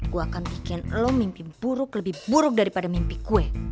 gue akan pikir lo mimpi buruk lebih buruk daripada mimpi kue